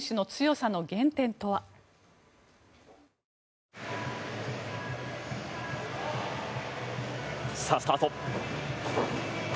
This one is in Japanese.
さあ、スタート。